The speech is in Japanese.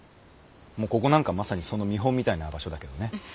もうここなんかまさにその見本みたいな場所だけどね。